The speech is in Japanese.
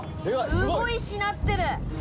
すごいしなってる。